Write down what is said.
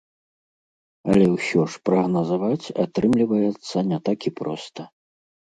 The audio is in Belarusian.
Але ўсё ж прагназаваць атрымліваецца не так і проста.